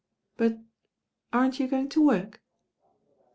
"But aren't you going to work?'